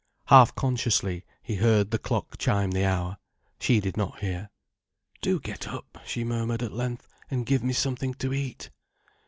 Half consciously, he heard the clock chime the hour. She did not hear. "Do get up," she murmured at length, "and give me something to eat."